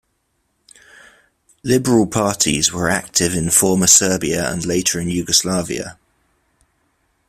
Liberal parties were active in former Serbia and later in Yugoslavia.